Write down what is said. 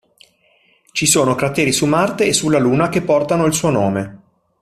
Ci sono crateri su Marte e sulla Luna che portano il suo nome.